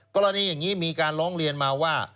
กรณีอย่างนี้มีการร้องเรียนมาว่า